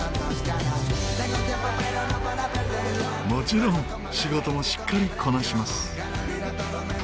もちろん仕事もしっかりこなします。